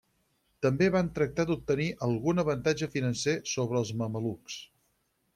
També van tractar d'obtenir algun avantatge financer sobre els mamelucs.